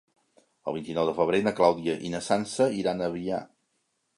El vint-i-nou de febrer na Clàudia i na Sança iran a Avià.